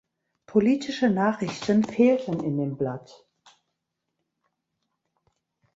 Politische Nachrichten fehlten in dem Blatt.